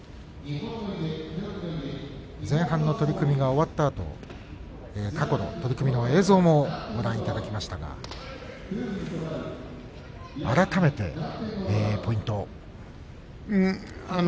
前半の取組が終わったあと過去の取組の映像もご覧いただきましたが改めてポイントを。